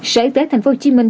sở y tế thành phố hồ chí minh